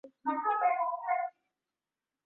Waturuki ni wenye adabu katika kushughulika na kila